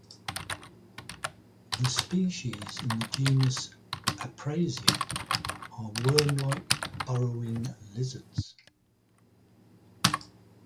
The species in the genus "Aprasia" are worm-like, burrowing lizards.